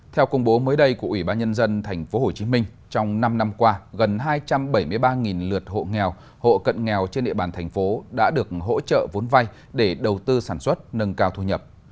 theo công bố mới đây của ủy ban nhân dân tp hcm trong năm năm qua gần hai trăm bảy mươi ba lượt hộ nghèo hộ cận nghèo trên địa bàn thành phố đã được hỗ trợ vốn vay để đầu tư sản xuất nâng cao thu nhập